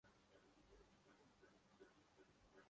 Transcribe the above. یہ ہمارا ہی اعزاز ہے۔